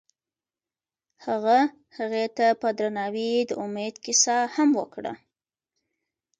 هغه هغې ته په درناوي د امید کیسه هم وکړه.